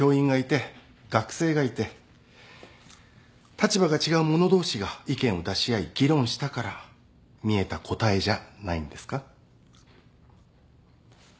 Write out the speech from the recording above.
立場が違う者同士が意見を出し合い議論したから見えた答えじゃないんですか？